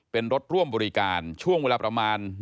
เป็นรถร่วมบริการช่วงเวลาประมาณ